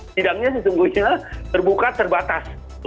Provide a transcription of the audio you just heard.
tidaknya sesungguhnya terbuka terbatas